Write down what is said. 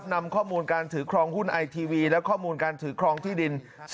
นำข้อมูลการถือครองหุ้นไอทีวีและข้อมูลการถือครองที่ดิน